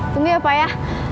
tunggu ya pak ya